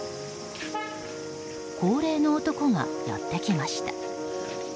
高齢の男がやってきました。